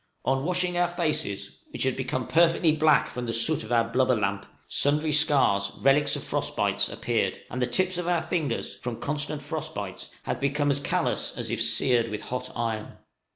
On washing our faces, which had become perfectly black from the soot of our blubber lamp, sundry scars, relics of frost bites, appeared; and the tips of our fingers, from constant frost bites, had become as callous as if seared with hot iron.